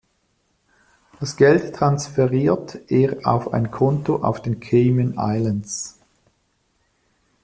Das Geld transferiert er auf ein Konto auf den Cayman Islands.